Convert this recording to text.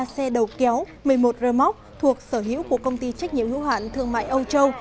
một mươi ba xe đầu kéo một mươi một rơ móc thuộc sở hữu của công ty trách nhiệm hiếu hạn thương mại âu châu